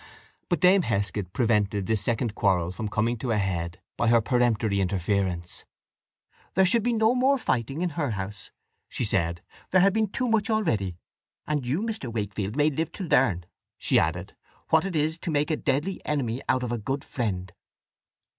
But Dame Heskett prevented this second quarrel from coming to a head by her peremptory interference. "There should be no more fighting in her house," she said; "there had been too much already. And you, Mr. Wakefield, may live to learn," she added, "what it is to make a deadly enemy out of a good friend."